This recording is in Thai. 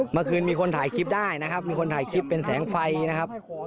เมื่อคืนมีคนถ่ายคลิปได้นะครับมีคนถ่ายคลิปเป็นแสงไฟนะครับ